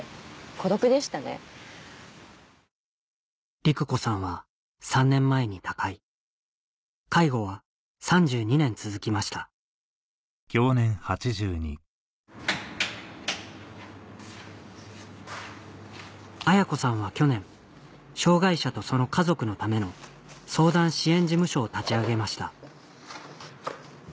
陸子さんは３年前に他界介護は３２年続きました綾子さんは去年障がい者とその家族のための相談支援事務所を立ち上げました